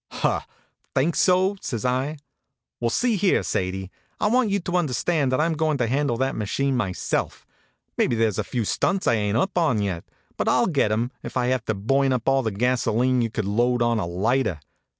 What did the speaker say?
"Huh! Think so?" says I. "Well, HONK, HONK! see here, Sadie! I want you to understand that I m going to handle that machine my self! Maybe there s a few stunts I ain t up on yet; but I ll get em, if I have to burn up all the gasolene you could load on a lighter!